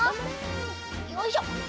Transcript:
よいしょ！